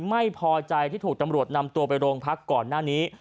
ไม่พอใจที่ถูกตำรวจนำตัวไปโรงพักก่อนหน้านี้